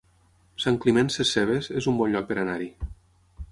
Sant Climent Sescebes es un bon lloc per anar-hi